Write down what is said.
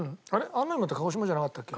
安納いもって鹿児島じゃなかったっけ？